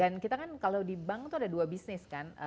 dan kita kan kalau di bank tuh ada dua bisnis kan